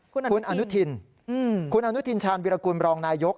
คุณอนุทินคุณอนุทินชาญวิรากุลบรองนายก